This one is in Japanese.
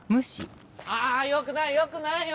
あよくないよくないよ